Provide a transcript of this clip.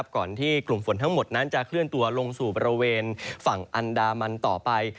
ก่อนที่กลุ่มฝนทั้งหมดนั้นจะเคลื่อนตัวลงสู่บริเวณฝั่งอันดามันต่อไป